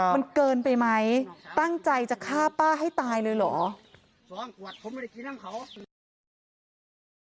มันเกินไปไหมตั้งใจจะฆ่าป้าให้ตายเลยเหรอ